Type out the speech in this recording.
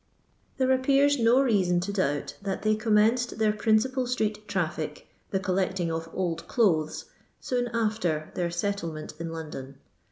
There appears no reason to doubt that they com menced their principal street traflk, the collecting of old clothes, soon niter their settlement in Loudon.